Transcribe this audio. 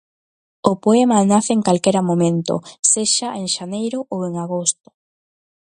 O poema nace en calquera momento, sexa en xaneiro ou en agosto.